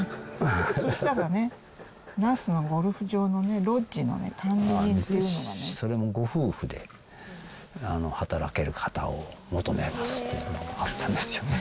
そうしたらね、那須のゴルフ場のロッジの管理人というのがね。それもご夫婦で働ける方を求めますっていうのがあったんですよ。